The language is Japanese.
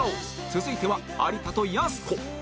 続いては有田とやす子